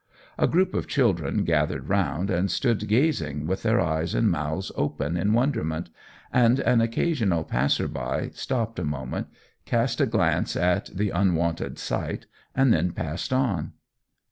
A group of children gathered round, and stood gazing with their eyes and mouths open in wonderment, and an occasional passer by stopped a moment, cast a glance at the unwonted sight, and then passed on.